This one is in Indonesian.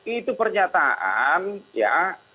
itu pernyataan ya